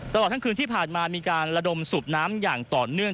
ตลอดทั้งคืนที่ผ่านมามีการระดมสูบน้ำอย่างต่อเนื่อง